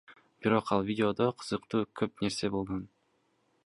Бирок ал видеодо кызыктуу көп нерсе болгон.